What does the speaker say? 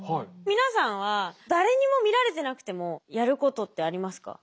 皆さんは誰にも見られてなくてもやることってありますか？